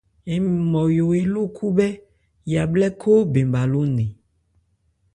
Nmɔyo eló khúbhɛ́ yabhlɛ́ khóó bɛn bha ló nne.